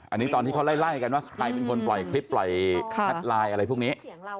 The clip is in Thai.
อันนี้ตอนที่เขาไล่กันว่าใครเป็นคนปล่อยคลิปปล่อยแชทไลน์อะไรพวกนี้